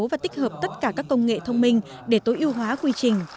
và tích hợp tất cả các công nghệ thông minh để tối ưu hóa quy trình